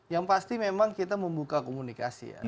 yang pasti memang kita membuka komunikasi ya